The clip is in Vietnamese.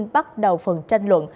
bắt đầu phần tranh luận